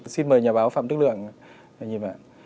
xin mời nhà báo phạm đức lượng nhìn ạ